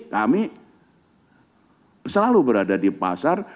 kami selalu berada di pasar